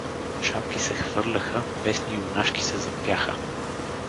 Шапки се хвърляха, песни юнашки се запяха.